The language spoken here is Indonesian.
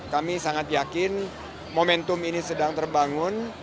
kami sangat yakin momentum ini sedang terbangun